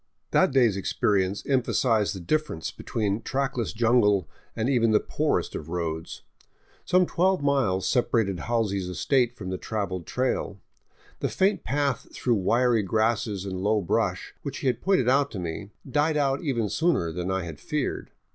That day's experience emphasized the difference between trackless jungle and even the poorest of roads. Some twelve miles separated Halsey's estate from the traveled trail. The faint path through wiry grasses and low brush, which he had pointed out to me, died out even sooner than I had feared.